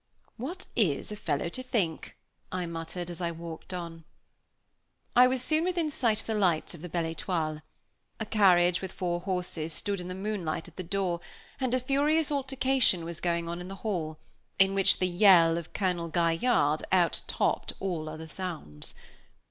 "What is a fellow to think?" I muttered, as I walked on. I was soon within sight of the lights of the Belle Étoile. A carriage, with four horses, stood in the moonlight at the door, and a furious altercation was going on in the hall, in which the yell of Colonel Gaillarde out topped all other sounds.